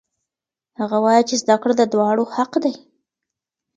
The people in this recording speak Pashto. هغې وایي چې زده کړه د دواړو حق دی.